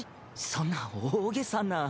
そんな大げさな。